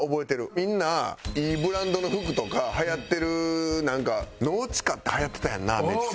みんないいブランドの服とかはやってるなんかＮＡＵＴＩＣＡってはやってたやんなめっちゃ。